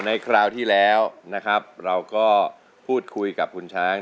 คราวที่แล้วนะครับเราก็พูดคุยกับคุณช้าง